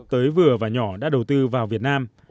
tới vừa và nhỏ đã đầu tư vào việt nam